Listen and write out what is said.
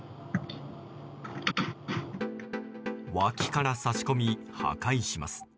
脇から差し込み、破壊します。